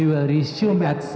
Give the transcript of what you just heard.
kita akan resumen pada tujuh pm